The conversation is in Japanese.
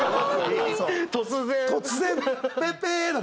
突然？